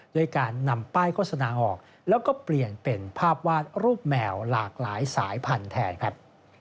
ด้วยการนำป้ายโฆษณาออกแล้วก็เปลี่ยนเป็นภาพวาดรูปแมวหลากหลายสายพันธุ์แทนครับ